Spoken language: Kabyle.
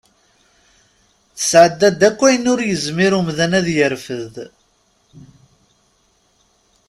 Tesɛedda-d akk ayen ur yezmir umdan ad yerfed.